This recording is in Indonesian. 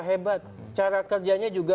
hebat cara kerjanya juga